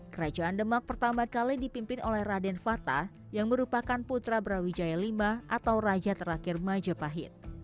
kerajaan demak pertama kali dipimpin oleh raden fata yang merupakan putra brawijaya v atau raja terakhir majapahit